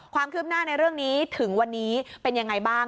ความคืบหน้าในเรื่องนี้ถึงวันนี้เป็นยังไงบ้าง